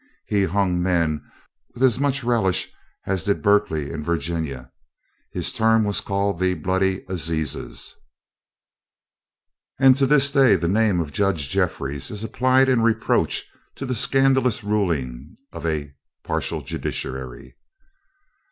He hung men with as much relish as did Berkeley of Virginia. His term was called the "bloody assizes," and to this day the name of Judge Jeffries is applied in reproach to the scandalous ruling of a partial judiciary.